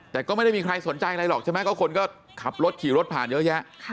แต่ก็ไม่ได้มีใครสนใจอะไรหรอกใช่ไหมก็คนก็ขับรถขี่รถผ่านเยอะแยะ